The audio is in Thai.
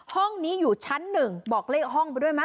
ห้องนี้อยู่ชั้นหนึ่งบอกเลขห้องไปด้วยไหม